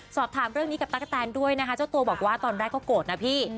สอบถามเรื่องนี้กับตั๊กกะแตนด้วยนะคะเจ้าตัวบอกว่าตอนแรกก็โกรธนะพี่